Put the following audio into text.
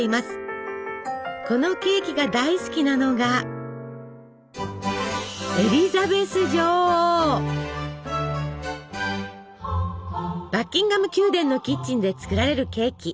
このケーキが大好きなのがバッキンガム宮殿のキッチンで作られるケーキ。